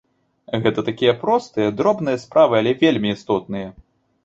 Гэта такія простыя, дробныя справы, але вельмі істотныя.